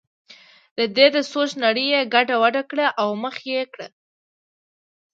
دده د سوچ نړۍ یې ګډه وډه کړه او یې مخه کړه.